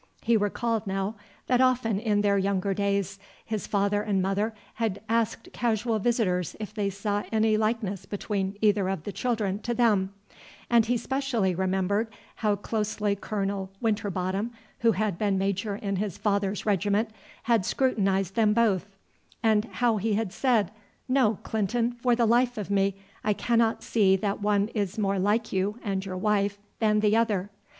He recalled now, that often in their younger days his father and mother had asked casual visitors if they saw any likeness between either of the children to them; and he specially remembered how closely Colonel Winterbottom, who had been major in his father's regiment, had scrutinized them both, and how he had said, "No, Clinton, for the life of me I cannot see that one is more like you and your wife than the other."